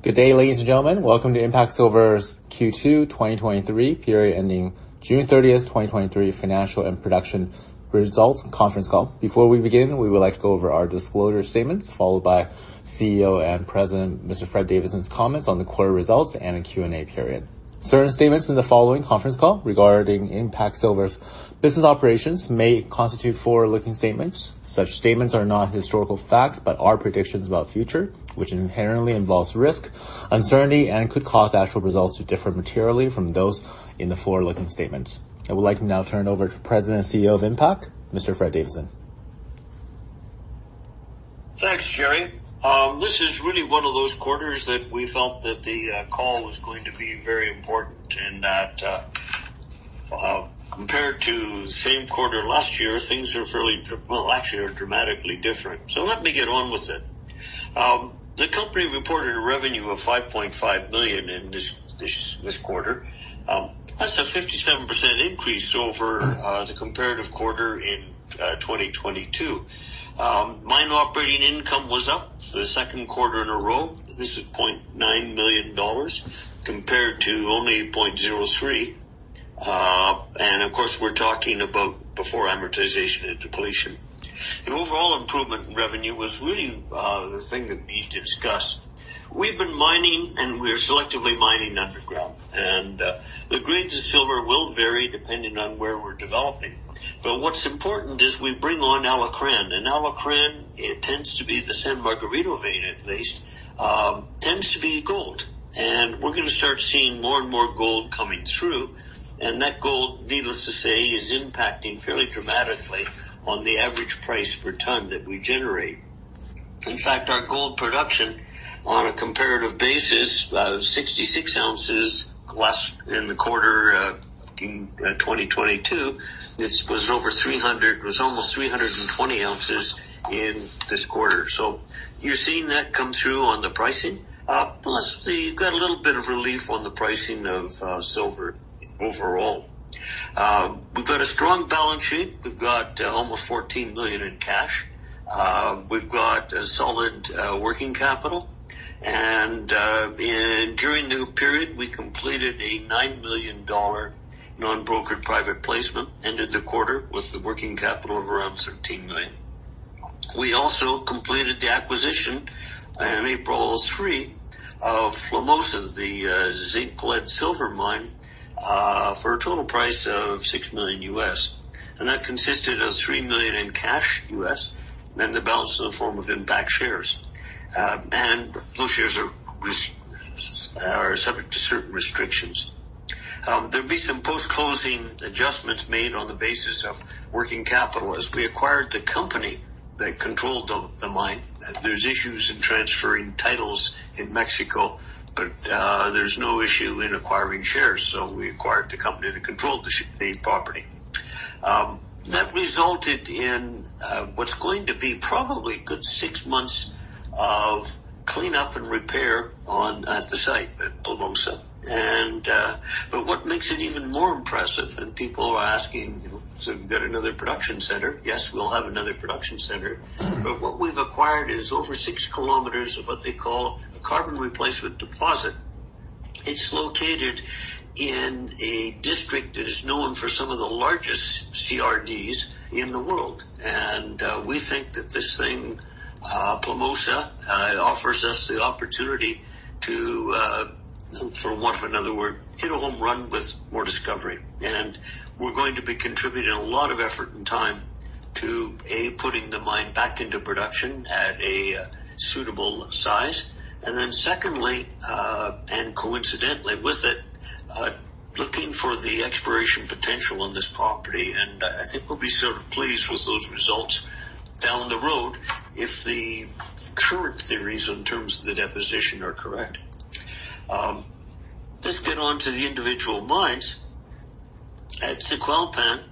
Good day, ladies and gentlemen. Welcome to IMPACT Silver's Q2 2023 period ending June 30th, 2023 financial and production results conference call. Before we begin, we would like to go over our disclosure statements, followed by CEO and President, Mr. Fred Davidson's comments on the quarter results and a Q&A period. Certain statements in the following conference call regarding IMPACT Silver's business operations may constitute forward-looking statements. Such statements are not historical facts, but are predictions about future, which inherently involves risk, uncertainty, and could cause actual results to differ materially from those in the forward-looking statements. I would like to now turn over to President and CEO of IMPACT, Mr. Fred Davidson. Thanks, Jerry. This is really one of those quarters that we felt that the call was going to be very important in that compared to the same quarter last year, things are fairly actually are dramatically different. So let me get on with it. The company reported a revenue of $5.5 million in this quarter. That's a 57% increase over the comparative quarter in 2022. Mine operating income was up for the second quarter in a row. This is $0.9 million, compared to only $0.03. And of course, we're talking about before amortization and depletion. The overall improvement in revenue was really the thing that we need to discuss. We've been mining, and we're selectively mining underground, and the grades of silver will vary depending on where we're developing. But what's important is we bring on Alacrán, and Alacrán, it tends to be the San Margarita vein, at least tends to be gold, and we're gonna start seeing more and more gold coming through, and that gold, needless to say, is impacting fairly dramatically on the average price per ton that we generate. In fact, our gold production on a comparative basis, 66 ounces less than the quarter in 2022. This was over 300... It was almost 320 ounces in this quarter. So you're seeing that come through on the pricing. Plus, we got a little bit of relief on the pricing of silver overall. We've got a strong balance sheet. We've got almost 14 million in cash. We've got a solid working capital, and during the period, we completed a 9 million dollar non-brokered private placement, ended the quarter with the working capital of around 13 million. We also completed the acquisition on April 3, of Plomosas, the zinc-lead-silver mine, for a total price of $6 million. And that consisted of $3 million in cash, then the balance in the form of Impact shares. And those shares are subject to certain restrictions. There'll be some post-closing adjustments made on the basis of working capital as we acquired the company that controlled the mine. There's issues in transferring titles in Mexico, but there's no issue in acquiring shares, so we acquired the company that controlled the property. That resulted in what's going to be probably a good six months of cleanup and repair on at the site at Plomosas. And but what makes it even more impressive, and people are asking, "So we've got another production center?" Yes, we'll have another production center, but what we've acquired is over six kilometers of what they call a carbonate replacement deposit. It's located in a district that is known for some of the largest CRDs in the world, and we think that this thing, Plomosas, offers us the opportunity to, for want of another word, hit a home run with more discovery. And we're going to be contributing a lot of effort and time to A, putting the mine back into production at a suitable size. And then secondly, and coincidentally with it, looking for the exploration potential on this property, and, I think we'll be sort of pleased with those results down the road if the current theories in terms of the deposition are correct. Let's get on to the individual mines. At Zacualpan,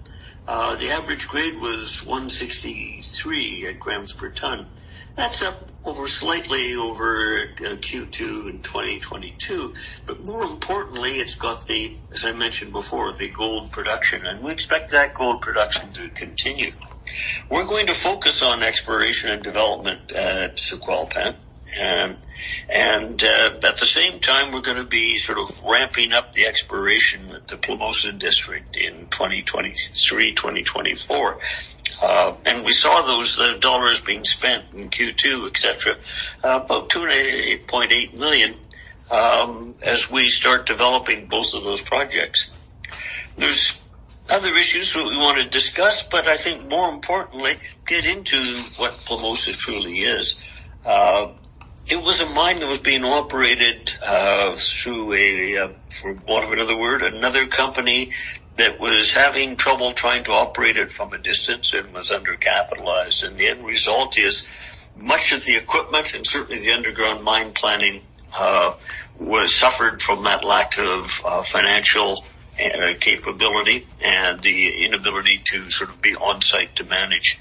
the average grade was 163 grams per ton. That's up over slightly over Q2 in 2022, but more importantly, it's got the, as I mentioned before, the gold production, and we expect that gold production to continue. We're going to focus on exploration and development at Zacualpan, and, at the same time, we're gonna be sort of ramping up the exploration at the Plomosas District in 2023, 2024. And we saw those dollars being spent in Q2, et cetera, about 2.8 million as we start developing both of those projects. There's other issues that we wanna discuss, but I think more importantly, get into what Plomosas truly is. It was a mine that was being operated through a, for want of another word, another company that was having trouble trying to operate it from a distance and was undercapitalized. And the end result is much of the equipment and certainly the underground mine planning was suffered from that lack of financial capability and the inability to sort of be on-site to manage.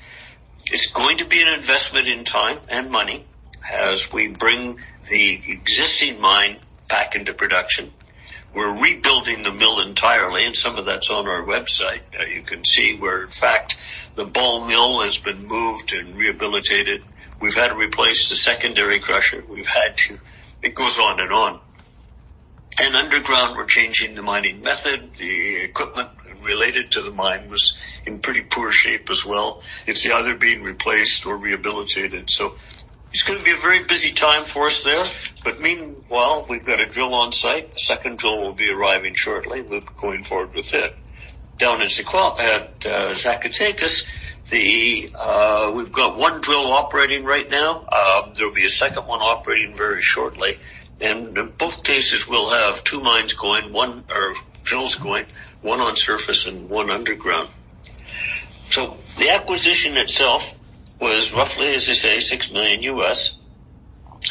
It's going to be an investment in time and money as we bring the existing mine back into production. We're rebuilding entirely, and some of that's on our website. You can see where, in fact, the ball mill has been moved and rehabilitated. We've had to replace the secondary crusher. We've had to-- It goes on and on. And underground, we're changing the mining method. The equipment related to the mine was in pretty poor shape as well. It's either being replaced or rehabilitated, so it's gonna be a very busy time for us there. But meanwhile, we've got a drill on site. A second drill will be arriving shortly. We're going forward with it. Down in Zacoal-- at Zacatecas, the, we've got one drill operating right now. There'll be a second one operating very shortly, and in both cases, we'll have two drills going, one on surface and one underground. So the acquisition itself was roughly, as they say, $6 million,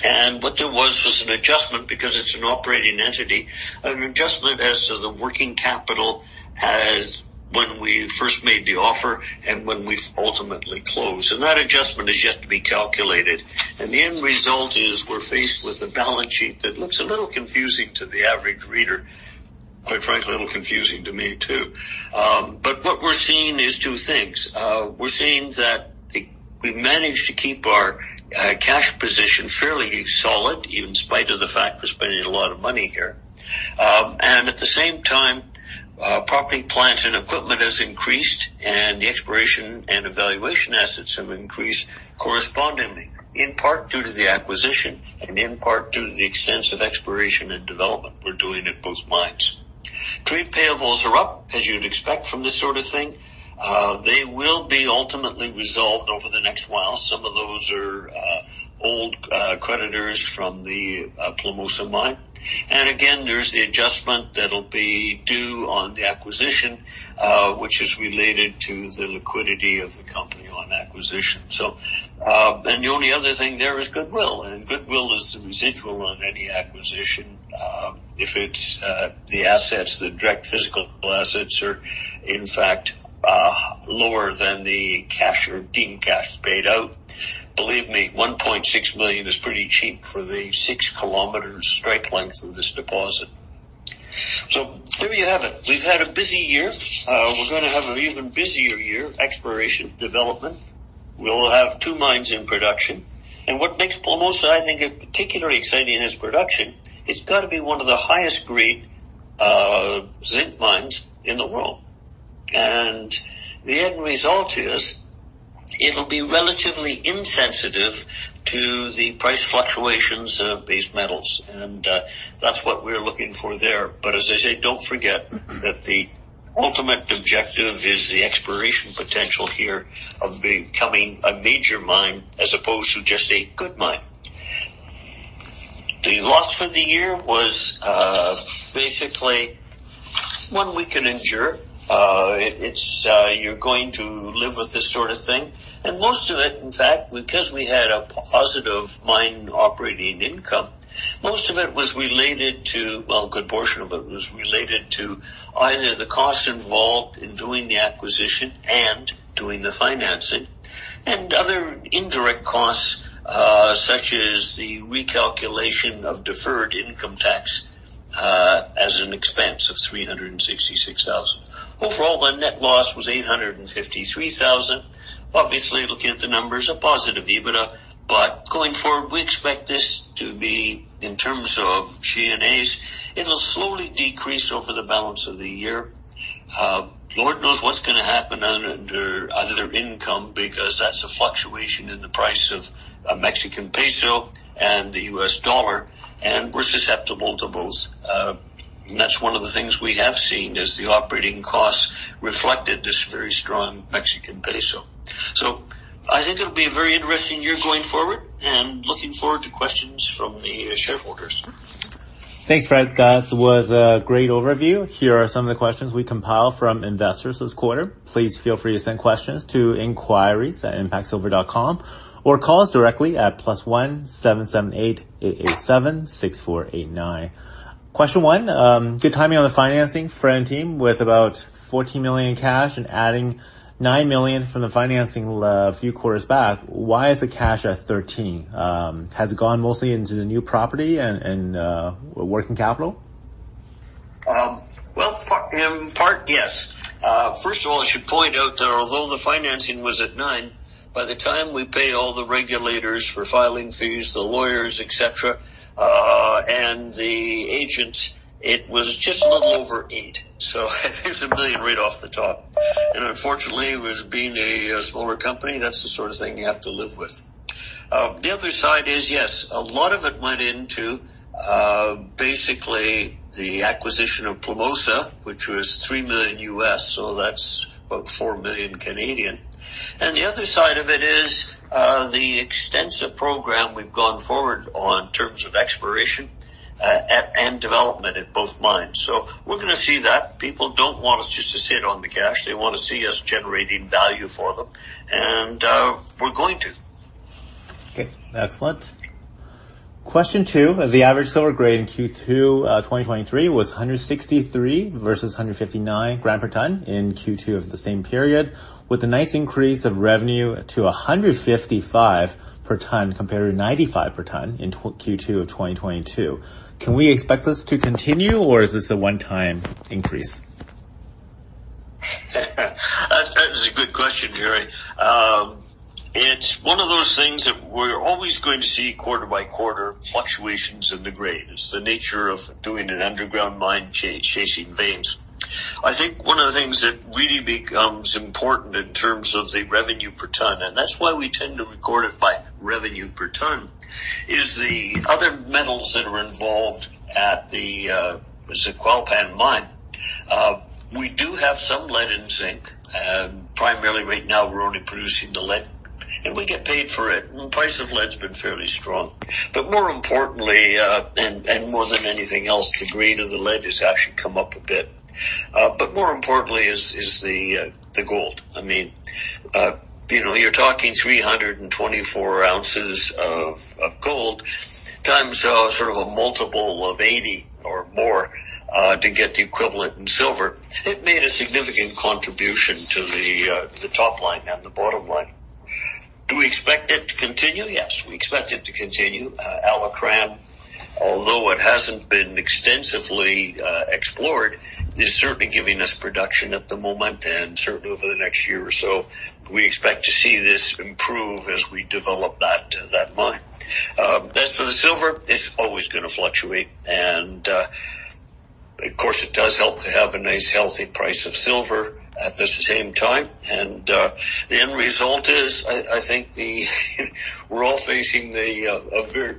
and what there was was an adjustment because it's an operating entity, an adjustment as to the working capital as when we first made the offer and when we ultimately closed, and that adjustment is yet to be calculated. The end result is we're faced with a balance sheet that looks a little confusing to the average reader, quite frankly, a little confusing to me, too. But what we're seeing is two things. We're seeing that we've managed to keep our cash position fairly solid, in spite of the fact we're spending a lot of money here. And at the same time, property, plant, and equipment has increased, and the exploration and evaluation assets have increased correspondingly, in part due to the acquisition and in part due to the extensive exploration and development we're doing at both mines. Trade payables are up, as you'd expect from this sort of thing. They will be ultimately resolved over the next while. Some of those are old creditors from the Plomosas mine. And again, there's the adjustment that'll be due on the acquisition, which is related to the liquidity of the company on acquisition. So, and the only other thing there is goodwill, and goodwill is the residual on any acquisition. If it's the assets, the direct physical assets are, in fact, lower than the cash or deemed cash paid out. Believe me, $1.6 million is pretty cheap for the 6-kilometer strike length of this deposit. So there you have it. We've had a busy year. We're gonna have an even busier year, exploration, development. We'll have two mines in production, and what makes Plomosas, I think, a particularly exciting is production. It's got to be one of the highest-grade zinc mines in the world. And the end result is it'll be relatively insensitive to the price fluctuations of these metals, and that's what we're looking for there. But as I say, don't forget that the ultimate objective is the exploration potential here of becoming a major mine as opposed to just a good mine. The loss for the year was basically one we can endure. It's, you're going to live with this sort of thing, and most of it, in fact, because we had a positive mine operating income, most of it was related to. Well, a good portion of it was related to either the cost involved in doing the acquisition and doing the financing and other indirect costs, such as the recalculation of deferred income tax, as an expense of 366,000. Overall, the net loss was 853,000. Obviously, looking at the numbers, a positive EBITDA, but going forward, we expect this to be in terms of G&As, it'll slowly decrease over the balance of the year. Lord knows what's gonna happen under other income, because that's a fluctuation in the price of a Mexican peso and the U.S. dollar, and we're susceptible to both. That's one of the things we have seen is the operating costs reflected this very strong Mexican peso. I think it'll be a very interesting year going forward and looking forward to questions from the shareholders. Thanks, Fred. That was a great overview. Here are some of the questions we compiled from investors this quarter. Please feel free to send questions to inquiries@impactsilver.com or call us directly at +1-778-888-76489. Question one, good timing on the financing, Fred and team, with about 14 million in cash and adding 9 million from the financing a few quarters back. Why is the cash at 13 million? Has it gone mostly into the new property and working capital? Well, in part, yes. First of all, I should point out that although the financing was at 9, by the time we paid all the regulators for filing fees, the lawyers, et cetera, and the agents, it was just a little over 8. So there's 1 million right off the top, and unfortunately, with being a smaller company, that's the sort of thing you have to live with. The other side is, yes, a lot of it went into basically the acquisition of Plomosas, which was $3 million, so that's about 4 million. And the other side of it is, the extensive program we've gone forward on in terms of exploration at and development at both mines. So we're gonna see that. People don't want us just to sit on the cash. They want to see us generating value for them, and we're going to. Okay, excellent. Question two, the average silver grade in Q2, 2023, was 163 versus 159 gram per ton in Q2 of the same period, with a nice increase of revenue to $155 per ton, compared to $95 per ton in Q2 of 2022. Can we expect this to continue, or is this a one-time increase?... Good question, Gary. It's one of those things that we're always going to see quarter by quarter fluctuations in the grade. It's the nature of doing an underground mine chasing veins. I think one of the things that really becomes important in terms of the revenue per ton, and that's why we tend to record it by revenue per ton, is the other metals that are involved at the Zacualpan Mine. We do have some lead and zinc, and primarily right now we're only producing the lead, and we get paid for it. The price of lead's been fairly strong. But more importantly, and more than anything else, the grade of the lead has actually come up a bit. But more importantly is the gold. I mean, you know, you're talking 324 ounces of, of gold, times sort of a multiple of 80 or more to get the equivalent in silver. It made a significant contribution to the, the top line and the bottom line. Do we expect it to continue? Yes, we expect it to continue. Alacrán, although it hasn't been extensively explored, is certainly giving us production at the moment, and certainly over the next year or so, we expect to see this improve as we develop that, that mine. As for the silver, it's always gonna fluctuate, and of course, it does help to have a nice, healthy price of silver at the same time, and the end result is, I think we're all facing a very,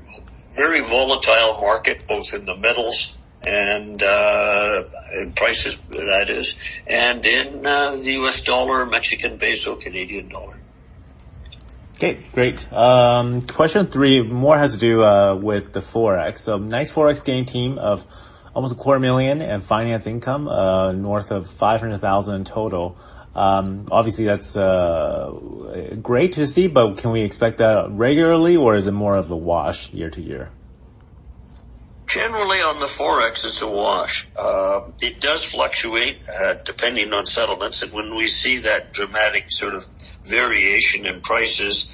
very volatile market, both in the metals, and in prices, that is, and in the U.S. dollar, Mexican peso, Canadian dollar. Okay, great. Question three more has to do with the Forex. So nice Forex gain team of almost CAD 250,000 in finance income, north of 500,000 in total. Obviously, that's great to see, but can we expect that regularly, or is it more of a wash year to year? Generally, on the Forex, it's a wash. It does fluctuate, depending on settlements, and when we see that dramatic sort of variation in prices,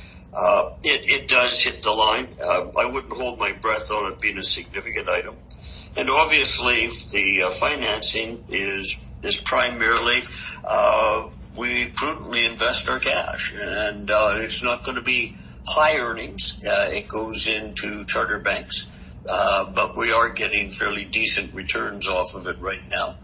it does hit the line. I wouldn't hold my breath on it being a significant item. And obviously, the financing is primarily we prudently invest our cash, and it's not gonna be high earnings. It goes into charter banks, but we are getting fairly decent returns off of it right now.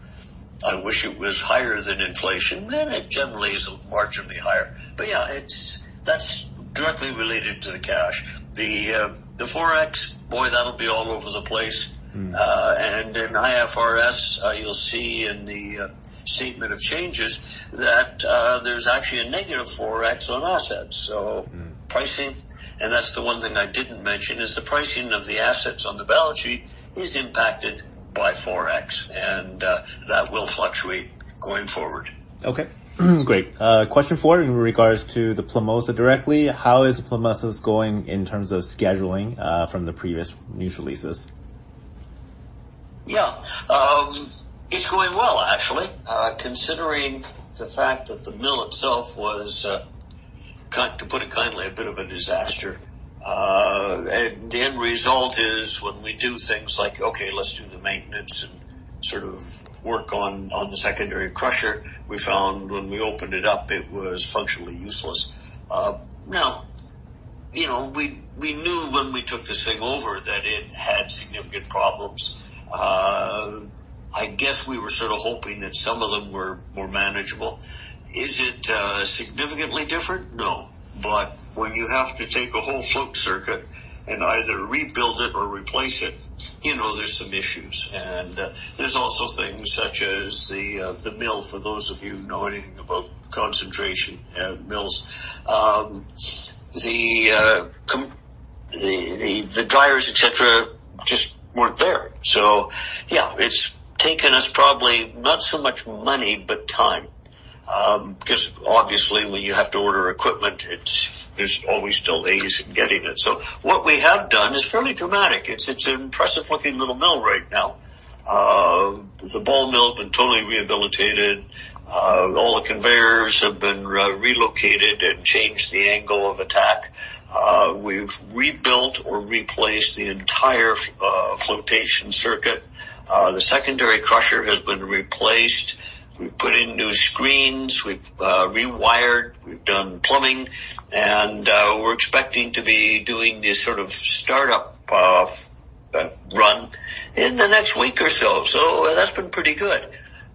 I wish it was higher than inflation, and it generally is marginally higher. But, yeah, it's, that's directly related to the cash. The Forex, boy, that'll be all over the place. Mm. In IFRS, you'll see in the statement of changes that there's actually a negative Forex on assets. So- Mm. pricing, and that's the one thing I didn't mention, is the pricing of the assets on the balance sheet is impacted by Forex, and, that will fluctuate going forward. Okay. Great. Question four in regards to the Plomosas directly, how is Plomosas going in terms of scheduling, from the previous news releases? Yeah. It's going well, actually, considering the fact that the mill itself was, kind, to put it kindly, a bit of a disaster. And the end result is when we do things like, okay, let's do the maintenance and sort of work on the secondary crusher, we found when we opened it up, it was functionally useless. Now, you know, we knew when we took this thing over that it had significant problems. I guess we were sort of hoping that some of them were more manageable. Is it significantly different? No, but when you have to take a whole float circuit and either rebuild it or replace it, you know, there's some issues, and there's also things such as the mill, for those of you who know anything about concentration mills. The dryers, et cetera, just weren't there. So, yeah, it's taken us probably not so much money, but time. 'Cause obviously, when you have to order equipment, there's always delays in getting it. So what we have done is fairly dramatic. It's an impressive-looking little mill right now. The Ball Mill has been totally rehabilitated, all the conveyors have been relocated and changed the angle of attack. We've rebuilt or replaced the entire Flotation Circuit. The Secondary Crusher has been replaced. We've put in new screens, we've rewired, we've done plumbing, and we're expecting to be doing this sort of start-up run in the next week or so. So that's been pretty good.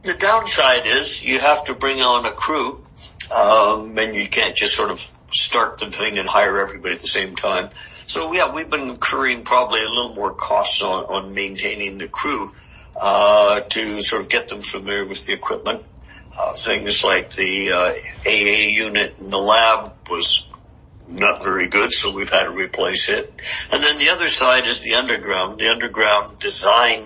The downside is, you have to bring on a crew, and you can't just sort of start the thing and hire everybody at the same time. So, yeah, we've been incurring probably a little more costs on maintaining the crew, to sort of get them familiar with the equipment. Things like the AA unit in the lab was not very good, so we've had to replace it. And then the other side is the underground. The underground design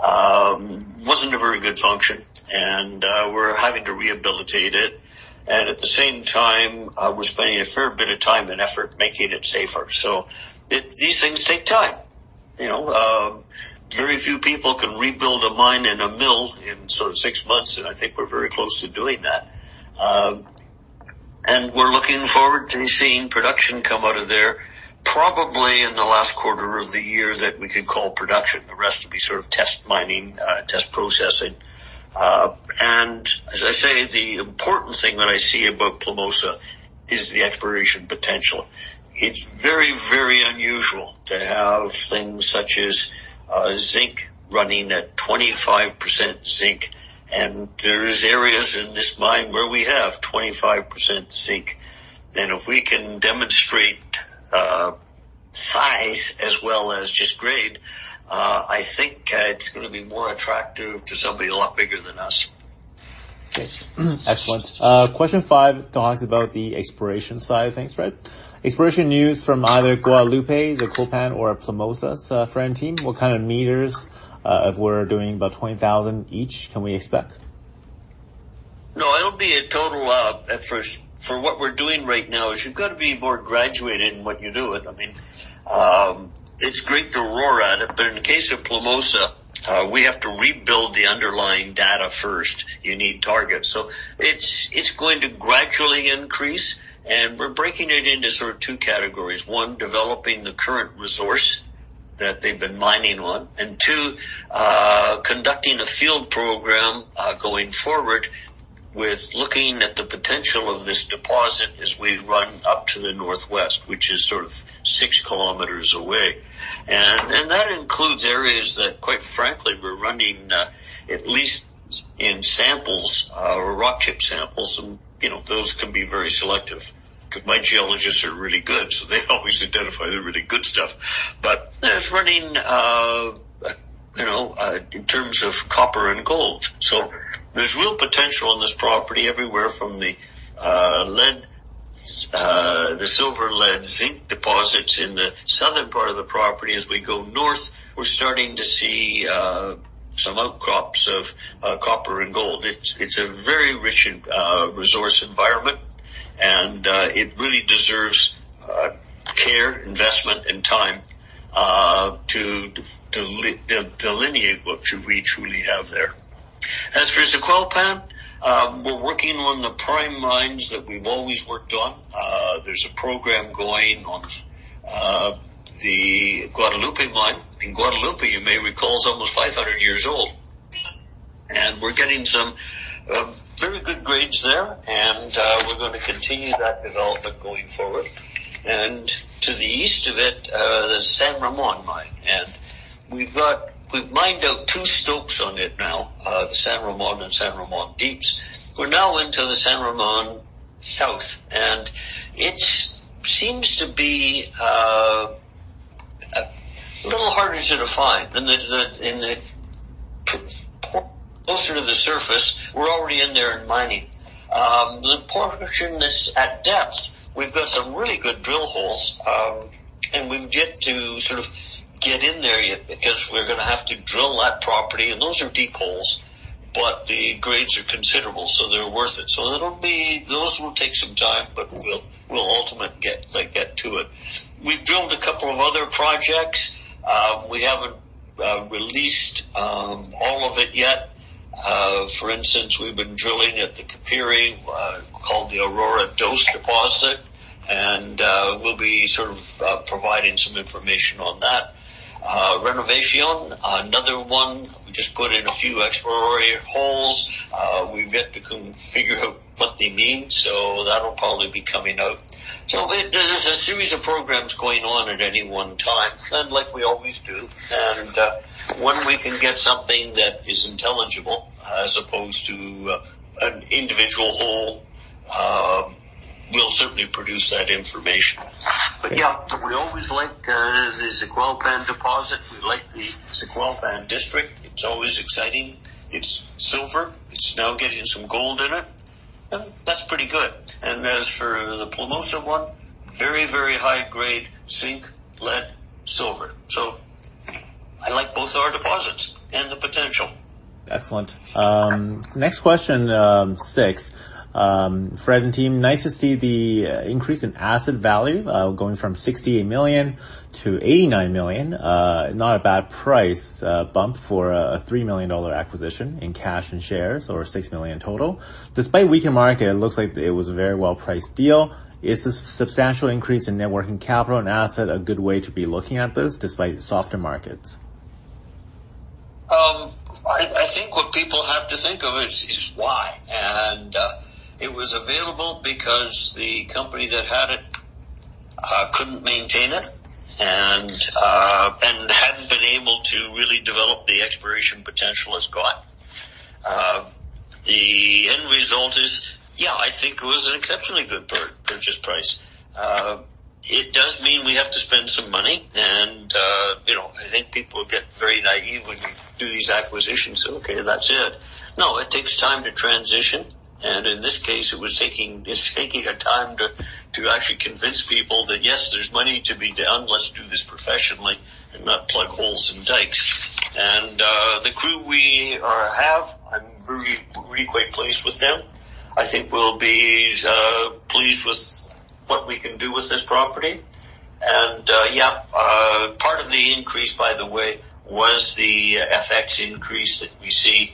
wasn't a very good function, and we're having to rehabilitate it. And at the same time, we're spending a fair bit of time and effort making it safer. So it... These things take time. You know, very few people can rebuild a mine and a mill in sort of six months, and I think we're very close to doing that. And we're looking forward to seeing production come out of there... probably in the last quarter of the year that we could call production. The rest will be sort of test mining, test processing. And as I say, the important thing that I see about Plomosas is the exploration potential. It's very, very unusual to have things such as zinc running at 25% zinc, and there is areas in this mine where we have 25% zinc. And if we can demonstrate size as well as just grade, I think it's gonna be more attractive to somebody a lot bigger than us. Okay. Excellent. Question five talks about the exploration side of things, Fred. Exploration news from either Guadalupe, the Zacualpan, or Plomosas, from the team, what kind of meters, if we're doing about 20,000 each, can we expect? No, it'll be a total, at first, for what we're doing right now is you've got to be more graduated in what you're doing. I mean, it's great to roar at it, but in the case of Plomosas, we have to rebuild the underlying data first. You need targets. So it's, it's going to gradually increase, and we're breaking it into sort of two categories. One, developing the current resource that they've been mining on, and two, conducting a field program, going forward with looking at the potential of this deposit as we run up to the northwest, which is sort of six kilometers away. And, and that includes areas that, quite frankly, we're running, at least in samples, or rock chip samples, and, you know, those can be very selective. My geologists are really good, so they always identify the really good stuff. But it's running, you know, in terms of copper and gold. So there's real potential on this property everywhere from the lead, the silver, lead, zinc deposits in the southern part of the property. As we go north, we're starting to see some outcrops of copper and gold. It's a very rich resource environment, and it really deserves care, investment, and time to delineate what we truly have there. As for the Zacualpan, we're working on the Royal Mines that we've always worked on. There's a program going on, the Guadalupe mine. Guadalupe, you may recall, is almost 500 years old, and we're getting some very good grades there, and we're gonna continue that development going forward. To the east of it, there's San Ramon Mine, and we've mined out two stopes on it now, the San Ramon and San Ramon Deeps. We're now into the San Ramon South, and it seems to be a little harder to define. Closer to the surface, we're already in there and mining. The portion that's at depth, we've got some really good drill holes, and we've yet to sort of get in there yet because we're gonna have to drill that property, and those are deep holes, but the grades are considerable, so they're worth it. So it'll be... Those will take some time, but we'll ultimately get, like, get to it. We've drilled a couple of other projects. We haven't released all of it yet. For instance, we've been drilling at the Capire, called the Aurora Dos deposit, and we'll be sort of providing some information on that. Renovación, another one, we just put in a few exploratory holes. We've yet to figure out what they mean, so that'll probably be coming out. So there's a series of programs going on at any one time, and like we always do, when we can get something that is intelligible as opposed to an individual hole, we'll certainly produce that information. But, yeah, we always like the Zacualpan deposit. We like the Zacualpan district. It's always exciting. It's silver. It's now getting some gold in it. That's pretty good. As for the Plomosas one, very, very high-grade zinc, lead, silver. I like both of our deposits and the potential. Excellent. Next question, 6. Fred and team, nice to see the increase in asset value, going from $68 million-$89 million. Not a bad price bump for a $3 million acquisition in cash and shares, or $6 million in total. Despite weaker market, it looks like it was a very well-priced deal. Is this substantial increase in net working capital and asset a good way to be looking at this despite softer markets? I think what people have to think of is why. And it was available because the company that had it couldn't maintain it, and hadn't been able to really develop the exploration potential it's got. The end result is, yeah, I think it was an exceptionally good purchase price. It does mean we have to spend some money, and you know, I think people get very naive when we do these acquisitions. "Okay, that's it." No, it takes time to transition, and in this case, it was taking, it's taking a time to actually convince people that, yes, there's money to be done. Let's do this professionally and not plug holes in dikes. And the crew we have, I'm very, really quite pleased with them. I think we'll be pleased with what we can do with this property. And yeah, part of the increase, by the way, was the FX increase that we see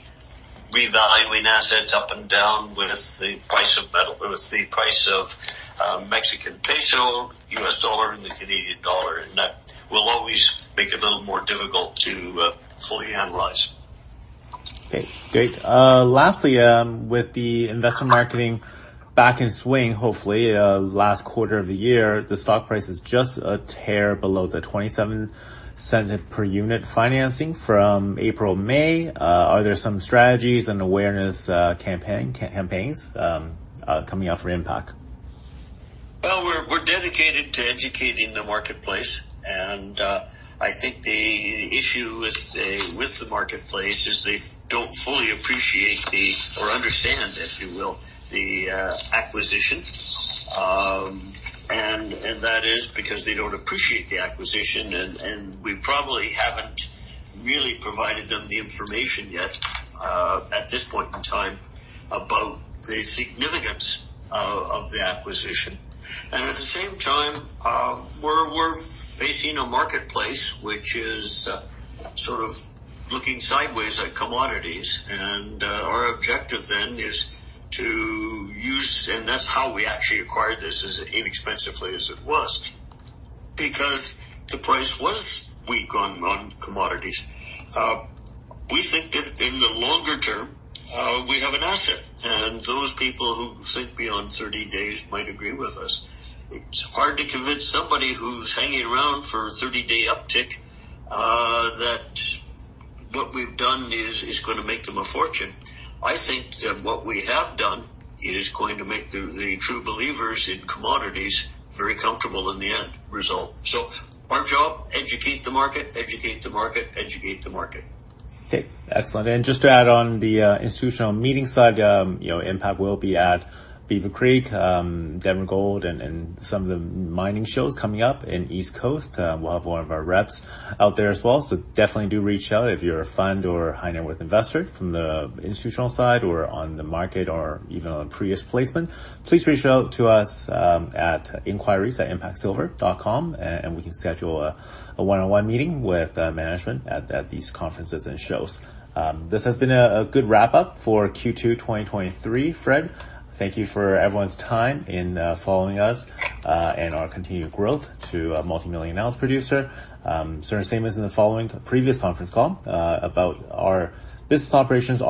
revaluing assets up and down with the price of metal, with the price of Mexican peso, U.S. dollar, and the Canadian dollar, and that will always make it a little more difficult to fully analyze. Okay, great. Lastly, with the investment marketing back in swing, hopefully, last quarter of the year, the stock price is just a hair below the 0.27 per unit financing from April, May. Are there some strategies and awareness campaigns coming out from IMPACT? Well, we're dedicated to educating the marketplace, and I think the issue with the marketplace is they don't fully appreciate the, or understand, if you will, the acquisition. And that is because they don't appreciate the acquisition, and we probably haven't really provided them the information yet, at this point in time, about the significance of the acquisition. And at the same time, we're facing a marketplace, which is sort of looking sideways at commodities, and our objective then is to use... And that's how we actually acquired this as inexpensively as it was, because the price was weak on commodities. We think that in the longer term, we have an asset, and those people who think beyond thirty days might agree with us. It's hard to convince somebody who's hanging around for a 30-day uptick that what we've done is gonna make them a fortune. I think that what we have done is going to make the true believers in commodities very comfortable in the end result. So our job, educate the market, educate the market, educate the market. Okay, excellent. And just to add on the institutional meeting side, you know, IMPACT will be at Beaver Creek, Denver Gold, and some of the mining shows coming up in East Coast. We'll have one of our reps out there as well. So definitely do reach out if you're a fund or a high net worth investor from the institutional side or on the market or even on previous placement. Please reach out to us at inquiries@impactsilver.com, and we can schedule a one-on-one meeting with management at these conferences and shows. This has been a good wrap-up for Q2 2023. Fred, thank you for everyone's time in following us, and our continued growth to a multimillion ounce producer. Certain statements in the following previous conference call about our business operations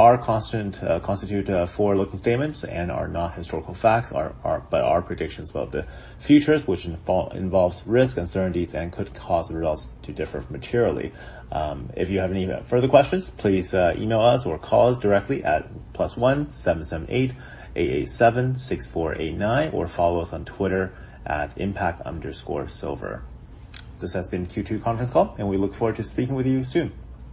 constitute forward-looking statements and are not historical facts, but are predictions about the future, which involves risk, uncertainties, and could cause the results to differ materially. If you have any further questions, please email us or call us directly at +1-778-888-7649, or follow us on Twitter at IMPACT_Silver. This has been Q2 conference call, and we look forward to speaking with you soon.